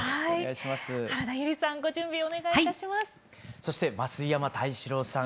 そして増位山太志郎さん